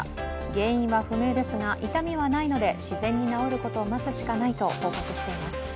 原因は不明ですが、痛みはないので自然に治ることを待つしかないと報告しています。